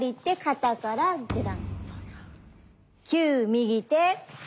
９右手。